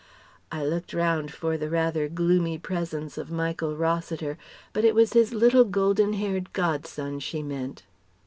(I looked round for the rather gloomy presence of Michael Rossiter, but it was his little golden haired god son she meant.)